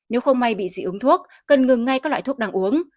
nếu không may bị dị ứng thuốc cần ngừng ngay các loại thuốc đang uống